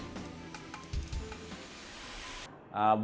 tidak tapi kita juga akan mencoba untuk mencoba